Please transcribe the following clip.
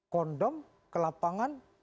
kondom ke lapangan